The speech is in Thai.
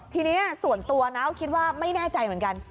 ทีนี้ส่วนตัวนะก็คิดว่าไม่แน่ใจเหมือนกัน